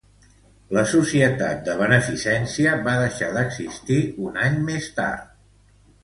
La Societat de Beneficència va deixar d'existir un any més tard.